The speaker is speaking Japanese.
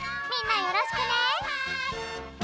みんなよろしくね。